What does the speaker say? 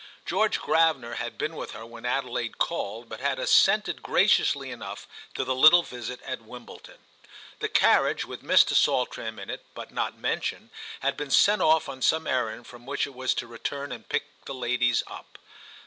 George Gravener had been with her when Adelaide called, but had assented graciously enough to the little visit at Wimbledon. The carriage, with Mr. Saltram in it but not mentioned, had been sent off on some errand from which it was to return and pick the ladies up.